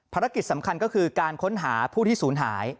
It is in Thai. ภารกิจสำคัญก็คือการค้นหาผู้ที่ศูนย์หาย